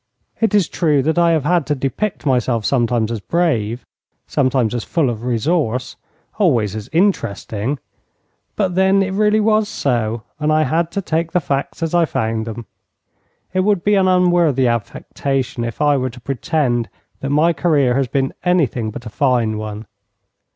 It is true that I have had to depict myself sometimes as brave, sometimes as full of resource, always as interesting; but, then, it really was so, and I had to take the facts as I found them. It would be an unworthy affectation if I were to pretend that my career has been anything but a fine one.